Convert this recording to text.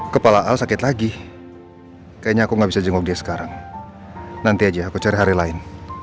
kepala al sakit lagi kayaknya aku gak bisa jenggok dia sekarang nanti aja aku cari hari lain